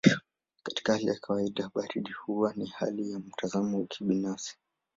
Katika hali ya kawaida baridi huwa ni hali ya mtazamo binafsi.